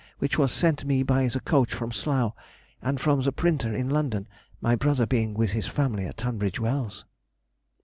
which was sent me by the coach from Slough, and from the printer in London, my brother being with his family at Tunbridge Wells.